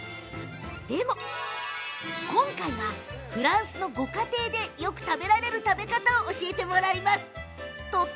でも今回はフランスのご家庭でよく食べられる食べ方を教えてもらいました。